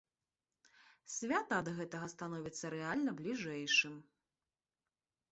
Свята ад гэтага становіцца рэальна бліжэйшым.